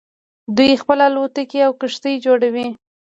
دوی خپله الوتکې او کښتۍ جوړوي.